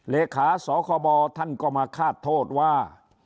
เลขาสคบท่านก็มาคาดโทษว่า